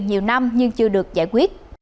nhiều năm nhưng chưa được giải quyết